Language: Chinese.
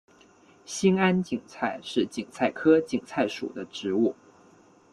兴安堇菜是堇菜科堇菜属的植物。